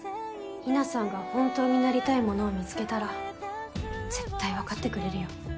日奈さんが本当になりたいものを見つけたら絶対分かってくれるよ。